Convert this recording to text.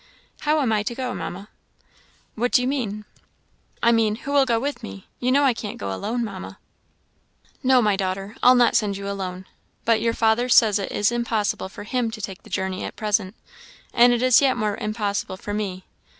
"How am I to go, Mamma?" "What do you mean?" "I mean, who will go with me? You know I can't go alone, Mamma." "No, my daughter. I'll not send you alone. But your father says it is impossible for him to take the journey at present, and it is yet more impossible for me.